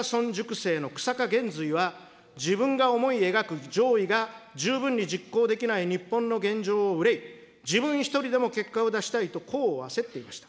生の久坂玄瑞は自分が思い描く攘夷が十分に実行できない日本の現状を憂い、自分一人でも結果を出したいと功を焦っていました。